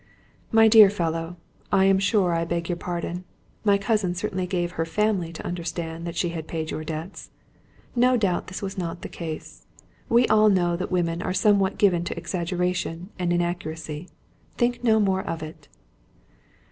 "My dear fellow, I am sure I beg your pardon. My cousin certainly gave her family to understand that she had paid your debts. No doubt this was not the case. We all know that women are somewhat given to exaggeration and inaccuracy. Think no more of it."